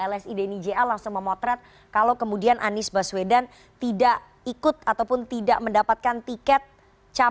lsi denny ja langsung memotret kalau kemudian anies baswedan tidak ikut ataupun tidak mendapatkan tiket